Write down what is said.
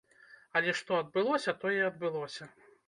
Але што адбылося, тое адбылося.